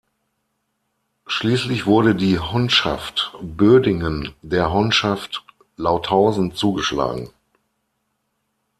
Schließlich wurde die Honnschaft Bödingen der Honnschaft Lauthausen zugeschlagen.